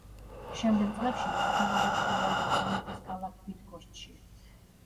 შემდეგ წლებში იმყოფებოდა ჩრდილოეთ პოლონეთის ქალაქ ბიდგოშჩში.